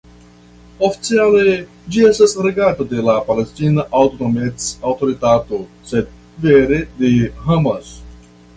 Oficiale ĝi estas regata de la Palestina Aŭtonomec-Aŭtoritato, sed vere de Hamas.